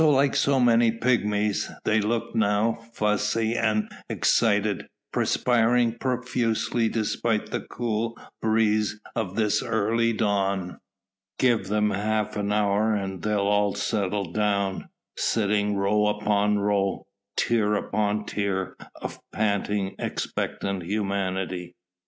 Like so many pygmies they looked now, fussy and excited, perspiring profusely despite the cool breeze of this early dawn. Give them half an hour and they'll all settle down, sitting row upon row, tier upon tier of panting, expectant humanity.